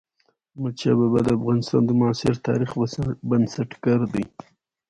احمد شاه بابا د افغانستان د معاصر تاريخ بنسټ ګر دئ.